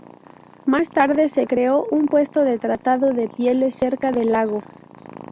Más tarde, se creó un puesto de tratado de pieles cerca del lago.